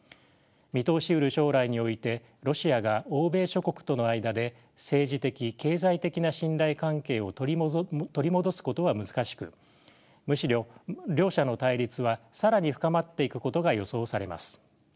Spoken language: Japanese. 見通しうる将来においてロシアが欧米諸国との間で政治的経済的な信頼関係を取り戻すことは難しくむしろ両者の対立は更に深まっていくことが予想されます。